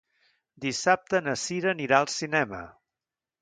Dissabte na Cira anirà al cinema.